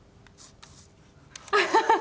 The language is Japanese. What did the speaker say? ハハハハ。